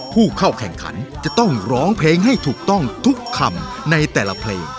ผู้เข้าแข่งขันจะต้องร้องเพลงให้ถูกต้องทุกคำในแต่ละเพลง